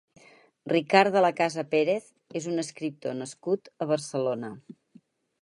Ricard de la Casa Pérez és un escriptor nascut a Barcelona.